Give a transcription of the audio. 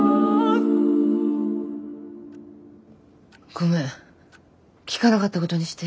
ごめん聞かなかったことにして。